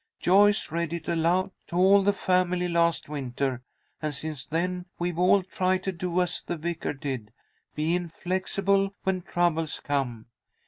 "Joyce read it aloud to all the family last winter, and since then we've all tried to do as the Vicar did, be inflexible when troubles come.